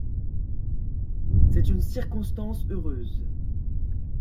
C’est une circonstance heureuse.